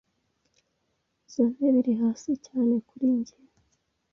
Izoi ntebe iri hasi cyane kuri njye.